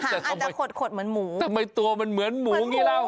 อาจจะขดขดเหมือนหมูทำไมตัวมันเหมือนหมูอย่างนี้แล้ว